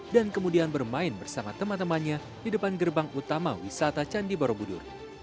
dan kemudian bermain bersama teman temannya di depan gerbang utama wisata candi barobudur